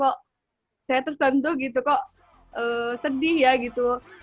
kok saya tersentuh gitu kok sedih ya gitu